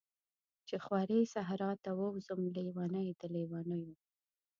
چی خوری صحرا ته ووځم، لیونۍ د لیونیو